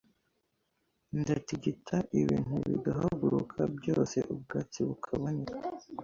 ndatigita ibintu bigahaguruka byose ubwatsi bukaboneka